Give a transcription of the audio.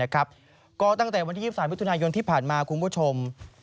ก็ตั้งแต่วันที่๒๓มิถุนายนที่ผ่านมาคุณผู้ชม